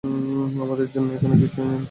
আমাদের জন্য এখানে কিছুই নেই।